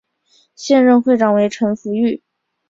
现任会长为陈福裕。